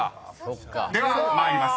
［では参ります］